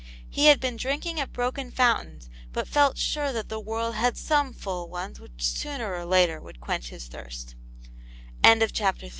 He had been drinking at broken fountains, but felt sure that the world had some full cues which sooner or later would quench his thirst CHAPTER IV. THE seas